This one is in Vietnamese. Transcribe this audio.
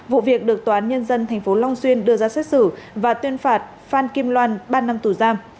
vụ việc được tòa án nhân dân tp long xuyên đưa ra xét xử và tuyên phạt phan kim loan ba năm tù giam